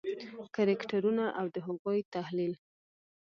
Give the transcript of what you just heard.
کرکټرونه او د هغوی تحلیل: